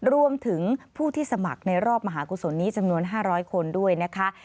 รวมถึงผู้ที่สมัครในรอบมหากุศลนี้จำนวน๕๐๐คนด้วยนะคะ